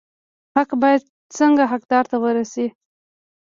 حق باید څنګه حقدار ته ورسي؟